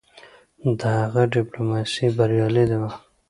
د هغه ډيپلوماسي بریالی وه.